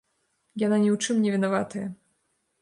Яна ні ў чым не вінаватая.